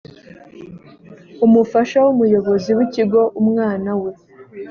umufasha w umuyobozi w ikigo umwana we